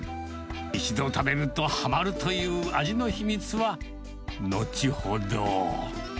一度食べるとはまるという味の秘密は、後ほど。